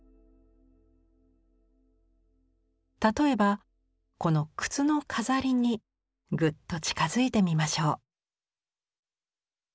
例えばこの靴の飾りにグッと近づいてみましょう。